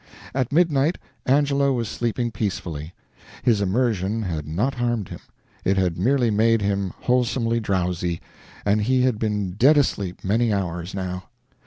At midnight Angelo was sleeping peacefully. His immersion had not harmed him, it had merely made him wholesomely drowsy, and he had been dead asleep many hours now.